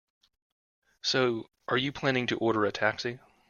So, are you planning to order a taxi?